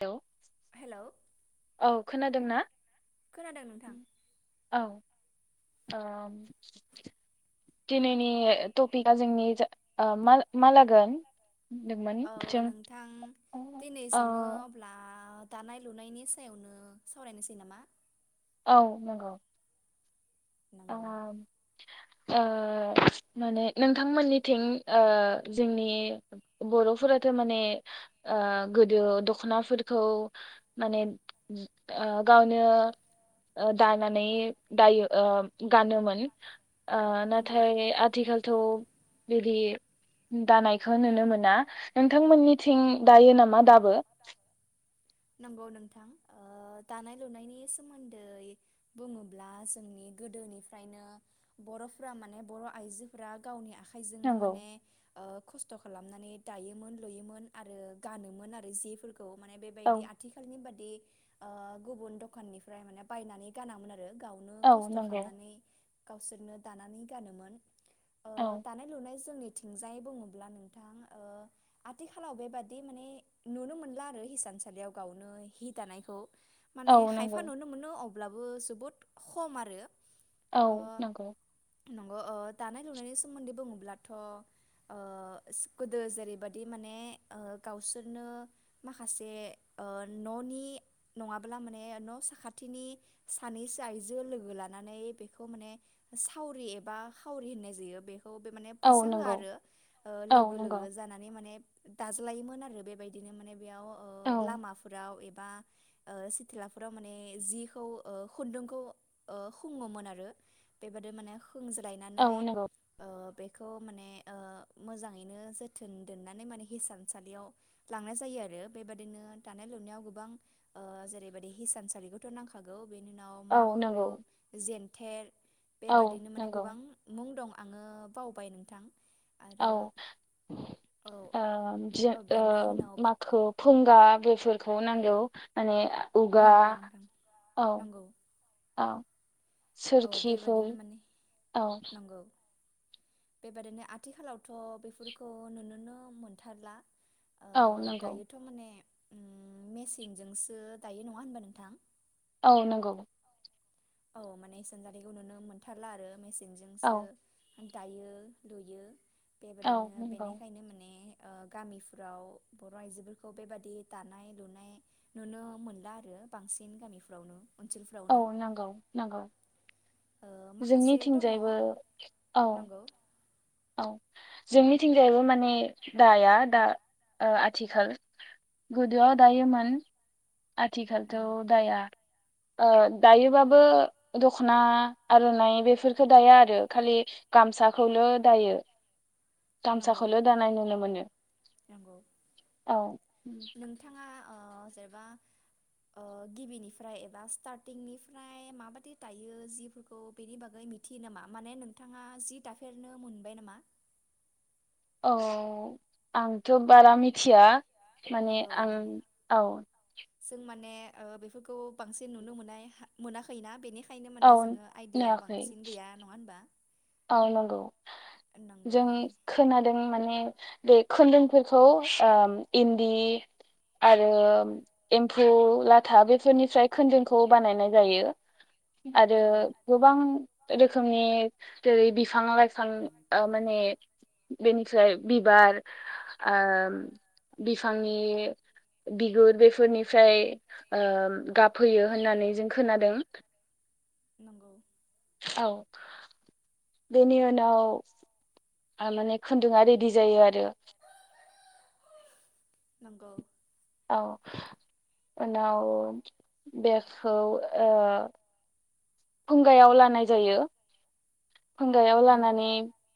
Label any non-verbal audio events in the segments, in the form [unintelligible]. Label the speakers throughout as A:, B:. A: हेल'
B: हेल'
A: औ खोनादों ना
B: नोंथां
A: औ ओम दिनैनि टपिकआ जोंनि जा ओ मा माला
B: औ नोंथां
A: ओ
B: दिनै जोङो अब्ला दानाय लुनायनि सायावनो सावरायनोसै नामा?
A: औ नंगौ
B: नंगौ
A: [unintelligible] ओ माने नोंथांमोननिथिं ओ जोंनि बर'फोराथ' माने ओ गोदो दखनाफोरखौ माने ओ गावनो ओ दानानै दायो ओ गानोमोन। ओ
B: नंगौ
A: नाथाय आथिखालथ' बिदि दानायखौ नुनो मोना नोंथांमोननिथिं दायो नामा दाबो?
B: थां ओ दानाय लुनायनि सोमोन्दै बुङोब्ला जोंनि गोदोनिफ्रायनो बर'फोरा माने बर' आइजोफोरा गावनि आखा खाइजोंनो
A: नंगौ
B: माने ओ खस थ' खालामनानै दायोमोन लुयोमोन आरो गानोमो मोन आरो जिफोर खौ माने
A: औ
B: बेबायदि आथिखालनि बादि ओ गुबुन दखाननिफ्राय माने बायनानै गानामोन आ रो गावनो
A: औ
B: खस्थ'
A: नंगौ
B: खामनानै गावसोरनो दानानै गानोमोन ओ
A: औ
B: दानाय लुनाय जोंनि थिंजायै बुङोब्ला नोंथां ओ आथिखालाव बेबादि माने नुनो मोनला आरो हिसानसालियाव गावनो हि दानायखौ माने
A: औ
B: खायफा
A: नंगौ
B: नुनो मोनो अब ब्लाबो जोबोद खम आरो
A: औ
B: ओ
A: नंगौ
B: नंगौ ओ दानाय लुनायनि सोमोन्दै बुङोब्लाथ'ओ गोदो जेरैबायदि माने ओ गावसो सोरनो माखासे ओ न'नि नङाब्ला माने न' साखाथिनि सानैसो आइजो लोगो लानानै बेखौ माने सावरि एबा खावरि होननाय जायो बे खौ बे माने
A: औ
B: फैसा होआ
A: नंगौ
B: आरो ओ
A: औ
B: लोगो
A: नंगौ
B: लोगो जानानै माने दाज्लायोमोन आरो बेबायदिनो माने बेयाव
A: औ
B: ओ लामाफोराव एब बा ओ सिथलाफोराव माने जिखौ ओ खुन्दुंखौ ओ हुङोमोन आरो बेबादि माने सोंज्लायनानै
A: औ नंगौ
B: ओ बे खौ माने ओ मोजांङैनो जोथोन दोननानै माने हिसानसालियाव लांनाय जायो आरो बेबादिनो दानाय लुनायाव गोबां ओ जेरैबायदि हिसानसालिखौथ' नांखागौ बेनि उनाव
A: औ
B: माखो
A: नंगौ
B: जेन थेर
A: औ
B: बेबादिनो माने
A: नंगौ
B: गोबां मुं दं आंङो बावबाय नोंथां
A: औ
B: आरो
A: ओ [unintelligible]
B: औ औ
A: ओ ओ
B: बेनि उनाव
A: माखो [unintelligible] गा बेफोरखौ नांगौ माने उगा
B: नंगौ नोंथां नंगौ औ
A: सोरखिफोर
B: बेबादिनो माने
A: औ
B: नंगौ बेबादिनो आथिखालावथ बेफोरखौ नुनोनो मोनथारला अ
A: औ नंगौ
B: दायोथ माने उम मेसिनजोंसो दायो नङा होनबा नोंथां
A: औ नंगौ
B: औ माने सानजानायखौ नुनो मोनथारला आरो मे
A: औ
B: सिंजोंसो दायो लुयो
A: औ
B: बेबायादिनो
A: नंगौ
B: बेनिखायनो माने ओ गामिफ्राव बर' आइजोफोरखौ बेबादि दानाय लुनाय नुनो मोनला आरो बांसिन गामिफ्रावनो
A: औ
B: ओनसोलफ्रावनो
A: नांगौ नंगौ
B: ओ माखासे दङ
A: जोंनिथिंजायबो औ
B: नंगौ
A: औ जोंनिथिंजायबो माने दाया दा ओ आथिखाल गोदोआव दायोमोन। आथिखालथ
B: नंगौ
A: दाया ओ दायोबाबो दखना आर'नाइ बेफोरफोरखौ दाया आरो खालि गामसाखौल दायो
B: नंगौ
A: गामसाखौल दानाय नुनो मोनो
B: नंगौ
A: औ
B: नोंथाङा ओ जेनेबा ओ गिबिनिफ्राय एबा स्टारटिंनिफ्राय माबादि दायो जिफोरखौ बेनि बागै मिथियो नामा माने नोंथाङा जि दाफेरनो मोनबाय नामा?
A: औ आंथ बारा मिथिया माने
B: नांगौ
A: आं
B: माने
A: औ
B: जों माने ओ बेफोरखौ बांसिन नुनो मोननाय मोनाखै ना बेनिखाय ओंखायनो
A: औ
B: माने जोंङो आइडिया
A: नुवाखै
B: बांसिन गैया नङा होनबा
A: औ नंगौ
B: नंगौ
A: जों
B: माने
A: खोनादों माने बे खोनदुंफोरखौ ओ इन्दि आरो एम्फौ लाथा बेफोरनिफ्राय खोनदुंखौ बानायनाय जायो। आरो
B: नंगौ
A: गोबां रोखोमनि जेरै बि [inaudible] माने बेनिफ्राय बिबार ओ बिफांनि बिगुर बेफोरनिफ्राय गाबहोयो होननानै जों खोनादों
B: नंगौ।
A: औ बेनि उनाव ओ माने खुन्दुआ रेडि जायो आरो
B: नंगौ।
A: औ उनाव बेगखौ ओ फुंगायाव लानाय जायो। खुंगायाव
B: नंगौ
A: लानानै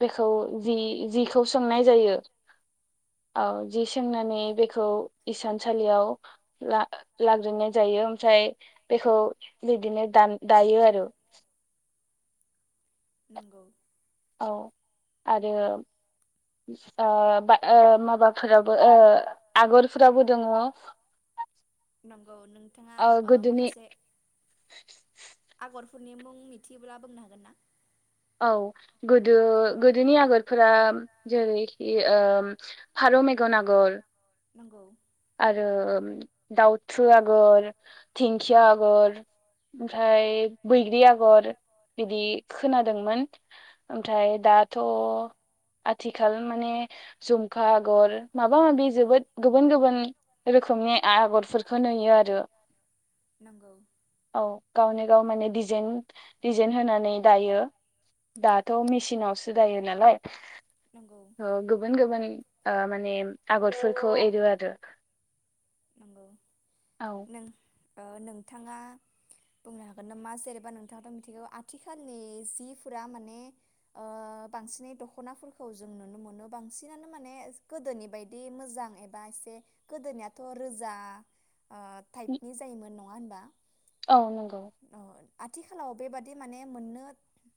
A: बेखौ जि जिखौ सोंनाय जायो औ जि सोंनानै बेखौ इसानसालियाव ला लाग्रोननाय जायो ओमफ्राय बेखौ बिदिनो दानो दायो आरो
B: नंगौ
A: औ आरो ओ बाय ओ माबाफोरावबो ओ आगरफोरावबो दङ ओ
B: नंगौ नोंथाङा ओ
A: गोदोनि
B: माखासे फोरनि मुं मिथियोब्ला बुंनो हागोन ना?
A: औ गोदो गोदोनि आगरफोरा जेरैखि ओम फारौ मेगन आगर।
B: नंगौ।
A: आरो दाउथु आगर दिंखिया आगर ओमफ्राय बैग्रि आगर बिदि खोनादोंमोन ओमफ्राय दाथ आथिखाल माने जुमखा आगर माबा माबि जोबोद गुबुन गुबुन रोखोमनि आगरफोरखौ नुयो आरो।
B: नंगौ
A: औ गावनो गाव माने डेजाइन जेन होनानै दायो दाथ मेचनावसो दायो नालाय।
B: नंगौ
A: ओ गुबुन गुबुन ओ माने आगरफोरखौ एरो आरो
B: नंगौ
A: औ
B: नों नोंथाङा बुंनो हागोन नामा जेनेबा नोंथाङाथ मिथिगौ आथिखालनि जिफोरा माने बांसिनै दखनाफोरखौ जों नुनो मोनो बांसिनानो माने गोदोनि बायदि मोजां एबा एसे गोदोनिया दाथ रोजा टाइपनि जायोमोन नङा होनबा।
A: औ नंगौ।
B: ओ आथिखालाव बेबादि माने मोननो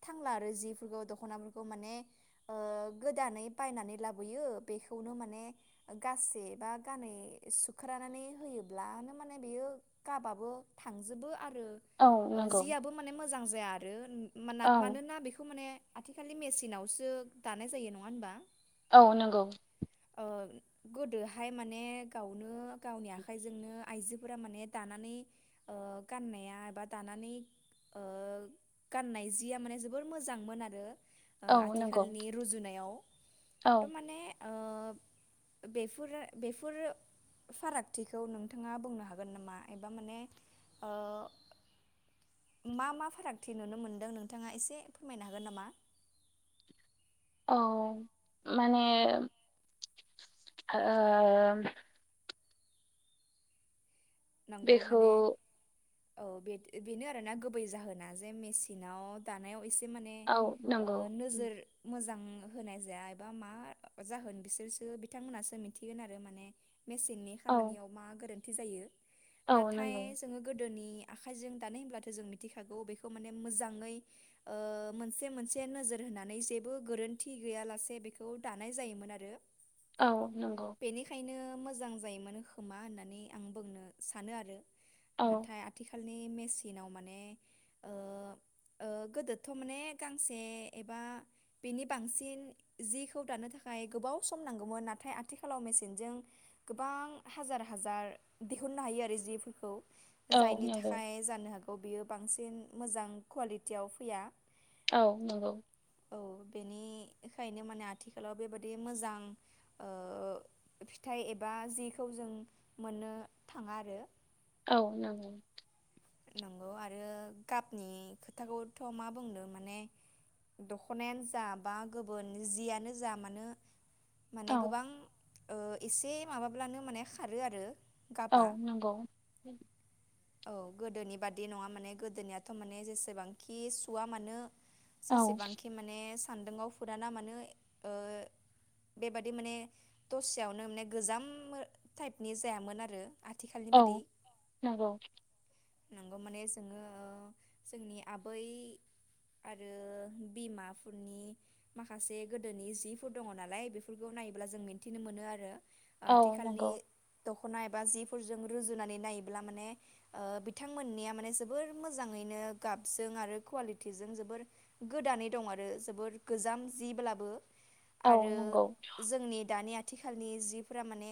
B: थांला आरो जिफोरखौ दखनाफोरखौ माने गोदानै बायनानै लाबोयो बेखौनो माने गाससे बा गानै सुख्रानानै होयोब्लानो माने बेयो गाबाबो थांजोबो आरो
A: औ
B: ओ
A: नंगौ
B: जियाबो माने मोजां जाया आरो मोना
A: औ
B: मानोना बेखौ माने आथिखालि मेचिनावसो दानाय जायो नङा होनबा।
A: औ नंगौ।
B: ओ गोदोहाय माने गावनो गावनि आखाइजोंनो आइजोफोरा माने दानानै गाननाया माबा दानानै गाननाय जिया माने जोबोर मोजांमोन आरो
A: औ नंगौ
B: आथिखालनि रुजुनायाव
A: औ
B: थ माने बेफोर बेफोर फारागथिखौ नोंथाङा बुंनो हागोन नामा एबा माने मा मा फारागथि नुनो मोनदों नोंथाङा एसे फोरमायनो हागोन नामा
A: औ माने
B: नंगौ
A: बेखौ
B: माने औ बेनो आरोोना गुबै जाहोना जे मेचनाव दानाय एसे माने
A: औ नंगौ
B: नोजोर मोजां होनाय जाया एबा मा जाहोन बिसोरसो बिथांमोनासो मिथिगोन आरो माने मेसिननि
A: औ
B: खामानियाव मा गोरोन जायो
A: औ
B: नाथाय
A: नंगौ
B: जोङो गोदोनि आखाइजों दानाय होनब्लाथ' जों मिथिखागौ बेखौ माने मोजाङै मोनसे मोनसे नोजोर होनानै जेबो गोरोन्थि गैयालासे बेखौ दानाय जायोमोन आरो
A: औ नंगौ
B: बेनिखायनो मोजां जायोमोन खोमा होननानै आं बुंनो सानो आरो
A: औ
B: नाथाय आथिखाल आथिखालनि मेसिनाव माने ओ ओ गोदोथ' माने गांसे एबा बिनि बांसिन जिखौ दानो थाखाय गोबाव सम नांगौमोन नाथाय आथिखालाव मेसिनजों गोबां हाजार हाजार दिहुननो हायो आरो जेफोरखौ
A: औ
B: जायनि
A: नंगौ
B: थाखाय जानो हागौ बियो बांसिन मोजां कुवालिटियाव फैया
A: औ नंगौ
B: औ बेनिखायनो माने आथिखालाव बेबादि मोजां ओह फिथाइ एबा जिखौ जों मोननो थाङा आरो
A: औ नांगौ
B: नंगौ आरो गाबनि खोथाखौथ' मा बुंदों माने दख'नायानो जा बा गुबुन जियानो जा मानो माने
A: औ
B: गोबां एसे माबाब्लानो माने खारो आरो
A: औ
B: गाबा
A: नंगौ
B: औ गोदोनि बादि नङा माने गोदोनियाथ' माने जेसेबांखि सुवा मानो
A: औ
B: जेसेबांखि माने सान्दुंआव फुराना मानो ओह बेबादि माने दसेयावनो माने गोजाम टाइपनि जायामोन आरो आथिखालनि
A: औ
B: बादि
A: नंगौ
B: नंगौ माने जोङो जोंनि आबै आरो बिमाफोरनि माखासे गोदोनि जिफोर दङ नालाय बेफोरखौ नायोब्ला जों मिन्थिनो मोनो आरो
A: औ
B: आथिखालनि
A: नंगौ
B: दख'ना एबा जिफोरजों रुजुनानै नायोब्ला माने ओह बिथांमोननिया माने जोबोर मोजाङैनो गाबजों आरो कुवालिटिजों जोबोर गोदानै दं आरो जोबोर गोजाम जिब्लाबो
A: औ
B: आरो
A: नंगौ
B: जोंनि दानिया थिखालनि जिफोरा माने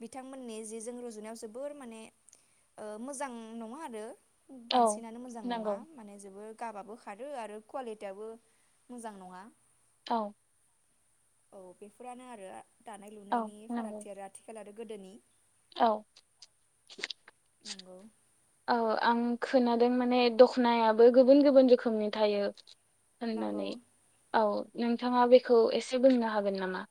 B: बिथांमोननि जिजों रुजुनायाव जोबोर माने ओ मोजां नङा आरो।
A: औ
B: बांसिनानो मोजां नङा
A: नंगौ
B: माने जोबोद गाबाबो खारो आरो कुवालिटियाबो मोजां नङा।
A: औ।
B: औ बेफोरानो आरो। दानाय
A: औ
B: लुनायनि
A: नंगौ
B: फारागथि आरो आथिखाल गोदोनि।
A: औ।
B: नंगौ।
A: औ आं खोनादों माने दख'नायाबो गुबुन गुबुन रोखोमनि थायो।
B: नंगौ
A: होननानै औ। नोंथाङा बेखौ एसे बुंनो हागोन नामा।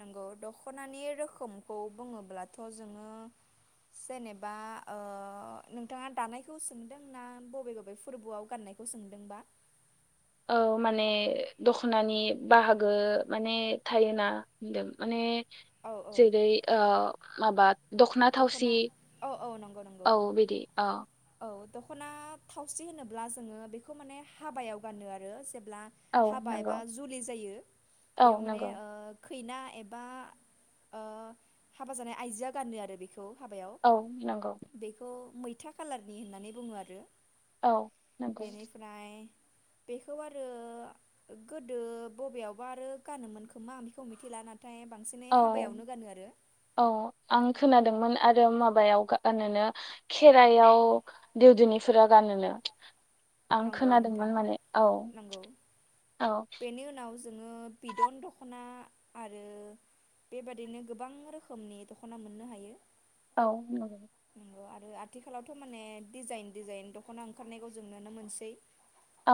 B: नंगौ दख'नानि रोखोमखौ बुङोब्लाथ' जोङो जेनेबा ओ नोंथाङा दानायखौ सोंदों ना बबे बबे फोरबोआव गाननायखौ सोंदोंबा।
A: औ माने दख'नानि बाहागो माने थायोना होनदों माने
B: औ औ
A: जेरै ओ माबा दख'ना थावसि
B: औ औ नंगौ
A: औ बिदि अ।
B: खना थावसि होनोब्ला जोङो बेखौ माने हाबायाव गानो आरो जे ब्ला
A: औ
B: हाबा एबा
A: नंगौ
B: जुलि जायो
A: औ
B: बेयाव माने
A: नंगौ
B: ओ खैना एबा ओ हाबा जानाय आइजो आ गानो आरो। खौ हाबायाव
A: औ नंगौ
B: बेखौ मैथा खाालारनि होननानै बुङो आरो।
A: औ नंगौ
B: बेनिफ्राय। बेखौ आरो गोदो बबेयावबा आरो गानोमोन खोमा बेखौ [unintelligible] बांसिनै
A: औ
B: हाबायावनो गानो आरो
A: औ आं खोनादोंमोन। आरो माबायाव गानोनो खेरायाव देउदुनिफोरा गानोनो। आं
B: नंगौ
A: खोनादोंमोन
B: नोंथां
A: माने औ
B: नंगौ
A: औ
B: बेनि उनाव जोङो बिदन दख'ना। आरो बेबादिनो गोबां रोखोमनि दख'ना मोननो हायो।
A: औ।
B: आरो आथिखालाव' माने डिजाइन डिजाइन दख'ना ओंखारनायखौ जों मोनसै।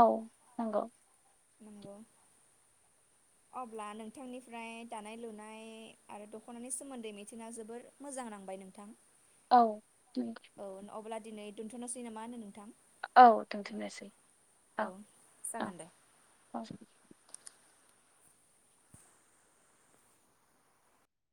A: औ नंगौ।
B: नंगौ। अब्ला नोंथांनिफ्राय दानाय लुनाय आरो दख'नानि सोमोन्दै मिथिना जोबोर मोजां नांबाय नोंथां।
A: औ। नंगौ
B: औ अब्ला दिनै दोनथ'नोसै नामा होन नोंथां?
A: औ दोनथनोसै
B: औ
A: औ
B: जागोन दे
A: औ